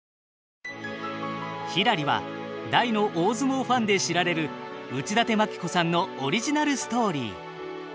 「ひらり」は大の大相撲ファンで知られる内館牧子さんのオリジナルストーリー。